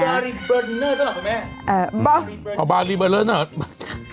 บาริเบิร์นเนอร์สำหรับพ่อแม่เอ่อเอาบาริเบิร์นเนอร์น่ะ